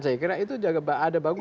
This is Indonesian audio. saya kira itu ada bagus